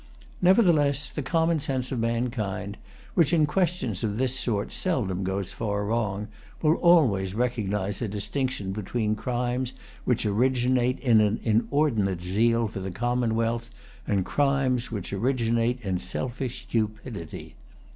Nevertheless, the common sense of mankind, which in questions of this sort seldom goes far wrong, will always recognize a distinction between crimes which originate in an inordinate zeal for the commonwealth, and crimes which originate in selfish cupidity.